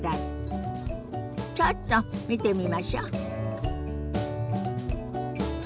ちょっと見てみましょ。